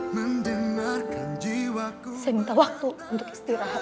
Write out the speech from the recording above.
saya minta waktu untuk istirahat